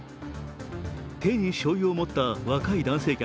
手にしょうゆを持った若い男性客。